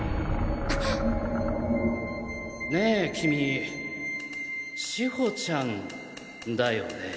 ねぇ君志保ちゃんだよね？